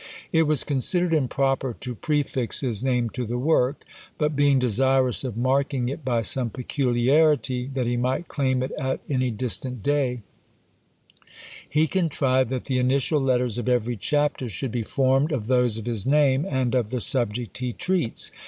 It was considered improper to prefix his name to the work; but being desirous of marking it by some peculiarity, that he might claim it at any distant day, he contrived that the initial letters of every chapter should be formed of those of his name, and of the subject he treats.